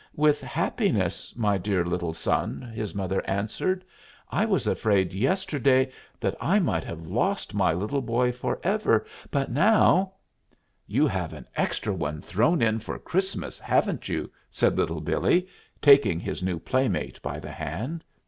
"With happiness, my dear little son," his mother answered. "I was afraid yesterday that I might have lost my little boy forever, but now " "You have an extra one thrown in for Christmas, haven't you?" said Little Billee, taking his new playmate by the hand.